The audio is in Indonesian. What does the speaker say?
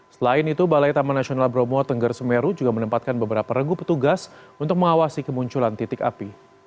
selain itu balai taman nasional bromo tengger semeru juga menempatkan beberapa regu petugas untuk mengawasi kemunculan titik api